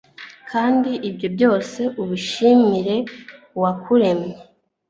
kandi ibyo byose, ubishimire uwakuremye